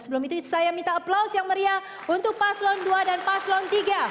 sebelum itu saya minta aplaus yang meriah untuk paslon dua dan paslon tiga